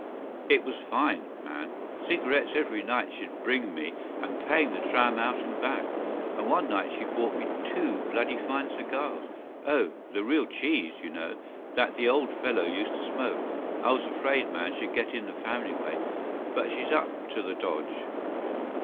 It was fine, man. Cigarettes every night she'd bring me and paying the tram out and back. And one night she brought me two bloody fine cigars—O, the real cheese, you know, that the old fellow used to smoke.... I was afraid, man, she'd get in the family way. But she's up to the dodge."